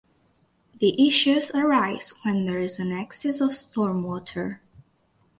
The issues arise when there is an excess of stormwater.